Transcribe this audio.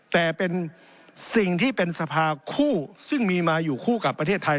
แต่เป็นสิ่งที่เป็นสภาคู่ซึ่งมีมาอยู่คู่กับประเทศไทย